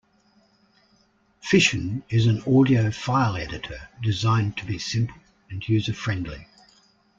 Fission is an audio file editor designed to be simple and user-friendly.